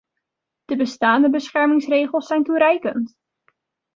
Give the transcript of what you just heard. De bestaande beschermingsregels zijn toereikend.